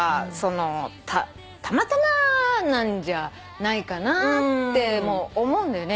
たまたまなんじゃないかなって思うんだよね。